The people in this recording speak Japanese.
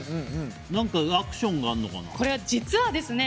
何か、アクションがあるのかな？